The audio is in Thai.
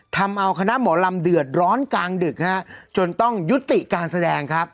ทำเอาคณะหมอลำเดือดร้อนกลางดึกฮะจนต้องยุติการแสดงครับ